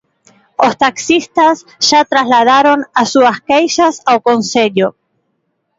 Os taxistas xa trasladaron as súas queixas ao Concello.